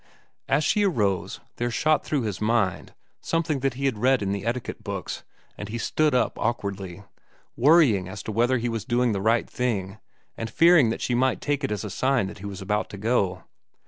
As she arose, there shot through his mind something that he had read in the etiquette books, and he stood up awkwardly, worrying as to whether he was doing the right thing, and fearing that she might take it as a sign that he was about to go.